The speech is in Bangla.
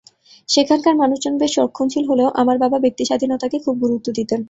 সেখানকার মানুষজন বেশ রক্ষণশীল হলেও আমার বাবা ব্যক্তিস্বাধীনতাকে খুব গুরুত্ব দিতেন।